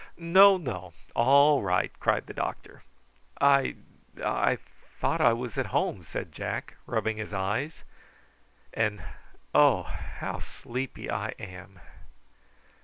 "No, no; all right!" cried the doctor. "I I thought I was at home," said Jack, rubbing his eyes; "and oh! how sleepy I am."